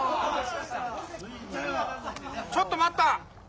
ちょっと待った！